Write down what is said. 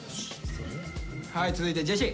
はい続いてジェシー。